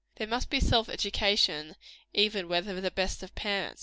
There must be self education even where there are the best of parents.